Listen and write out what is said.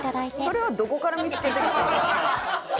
「それはどこから見付けてきたん？」